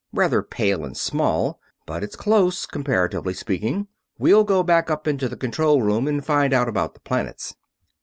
Rather pale and small; but it's close, comparatively speaking. We'll go back up into the control room and find out about the planets."